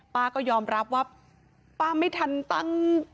ป๊าก็ยอมรับว่าป๊าไม่ทัน